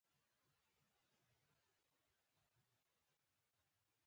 دا یوه معجزه وه چې ما لا څوک وژلي نه وو